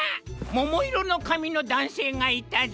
ももいろのかみのだんせいがいたぞ！